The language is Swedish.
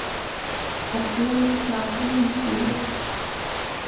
Och be om ett glas vin till mig.